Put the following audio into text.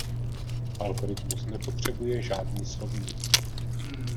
Algoritmus nepotřebuje žádný slovník.